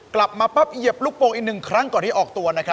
กลับมาปั๊บเหยียบลูกโป่งอีก๑ครั้งก่อนที่ออกตัวนะครับ